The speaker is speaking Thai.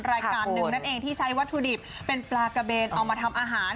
รายการหนึ่งนั่นเองที่ใช้วัตถุดิบเป็นปลากระเบนเอามาทำอาหาร